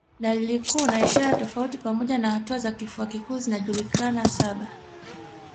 Dalili kuu na ishara tofauti pamoja na hatua za kifua kikuu zinajulikana saba